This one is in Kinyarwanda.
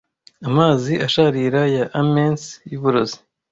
amazi asharira ya amens yuburozi